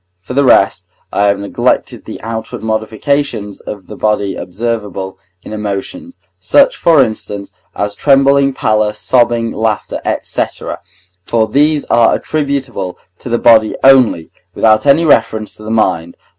For the rest, I have neglected the outward modifications of the body observable in emotions, such, for instance, as trembling, pallor, sobbing, laughter, &c., for these are attributable to the body only, without any reference to the mind.